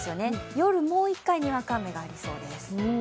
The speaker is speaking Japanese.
夜もう一回、にわか雨がありそうです。